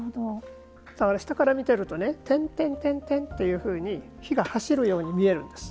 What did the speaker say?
だから、下から見てると点々点々と火が走るように見えるんです。